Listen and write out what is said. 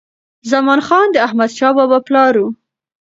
زمان خان د احمدشاه بابا پلار و.